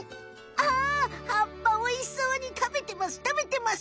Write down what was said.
あはっぱおいしそうにたべてます。